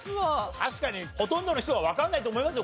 確かにほとんどの人はわかんないと思いますよ